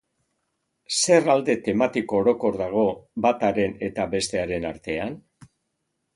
Zer alde tematiko orokor dago bataren eta bestearen artean?